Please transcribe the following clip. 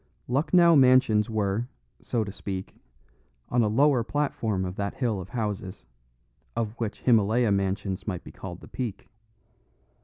Lucknow Mansions were, so to speak, on a lower platform of that hill of houses, of which Himylaya Mansions might be called the peak.